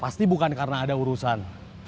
pasti bukan karena ada urusan